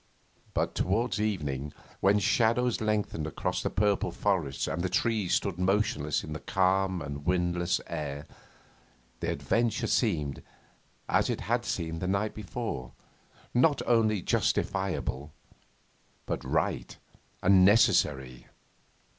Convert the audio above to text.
but towards evening, when shadows lengthened across the purple forests and the trees stood motionless in the calm and windless air, the adventure seemed, as it had seemed the night before, not only justifiable, but right and necessary.